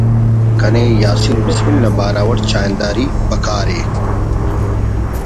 ٭کنے یاسین بسمل نا بارو اٹ چاہنداری بکار ءِ